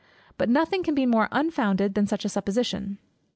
But nothing can be more unfounded than such a supposition.